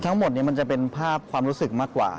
ทั้งหมดนี้มันจะเป็นภาพความรู้สึกมากกว่า